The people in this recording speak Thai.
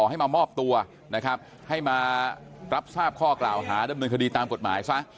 ให้มามอบตัวนะครับให้มารับทราบข้อกล่าวหาดำเนินคดีตามกฎหมายซะ